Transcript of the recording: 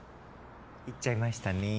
言っちゃいましたねぇ。